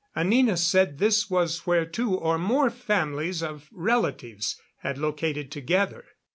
Anina said this was where two or more families of relatives had located together.